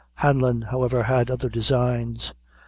Hanlon, however, had other designs.